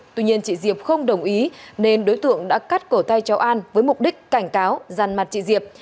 tuy nhiên chị diệp không đồng ý nên đối tượng đã cắt cổ tay cháu an với mục đích cảnh cáo giàn mặt chị diệp